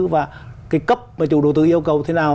và cái cấp mà chủ đầu tư yêu cầu thế nào